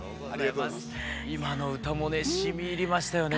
今の歌もね染み入りましたよね。